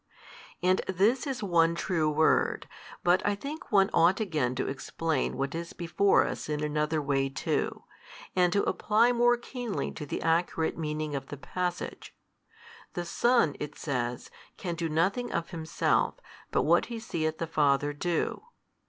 And this is one true word, but I think one ought again to explain what is before us in another way too, and to apply more keenly to the accurate meaning of the passage. The Son (it says) can do nothing of Himself but what He seeth the Father do.